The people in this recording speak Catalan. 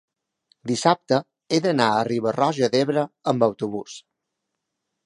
dissabte he d'anar a Riba-roja d'Ebre amb autobús.